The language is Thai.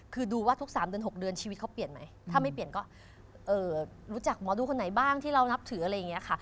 คือดูว่าทุก๓เดือน๖เดือนชีวิตเขาเปลี่ยนไหมถ้าไม่เปลี่ยนก็รู้จักหมอดูคนไหนบ้างที่เรานับถืออะไรอย่างนี้ค่ะ